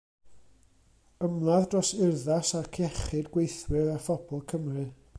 Ymladd dros urddas ac iechyd gweithwyr a phobl Cymru.